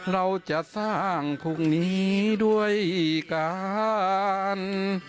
เราจะสร้างพรุ่งนี้ด้วยการ